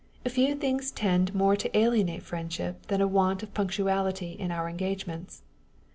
Few things tend more to alienate friendship than a want of punctuality in our engagements.